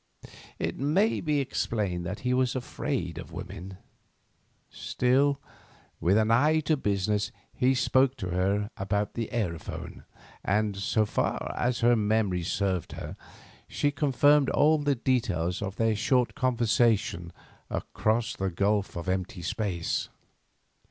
It may be explained that he was afraid of women. Still, with an eye to business, he spoke to her about the aerophone; and, so far as her memory served her, she confirmed all the details of their short conversation across the gulf of empty space.